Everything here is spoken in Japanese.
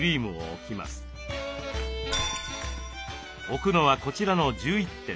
置くのはこちらの１１点。